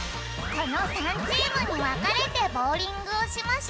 この３チームにわかれてボウリングをしましゅ。